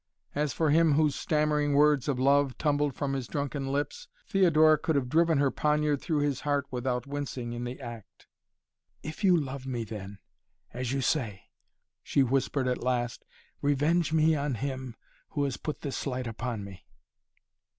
As for him whose stammering words of love tumbled from his drunken lips, Theodora could have driven her poniard through his heart without wincing in the act. "If you love me then, as you say," she whispered at last, "revenge me on him who has put this slight upon me!"